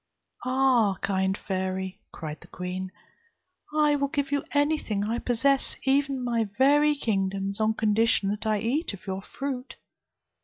'Ah! kind fairy,' cried the queen, 'I will give you anything I possess, even my very kingdoms, on condition that I eat of your fruit.'